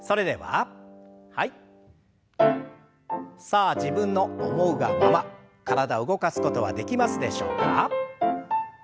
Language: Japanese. さあ自分の思うがまま体動かすことはできますでしょうか。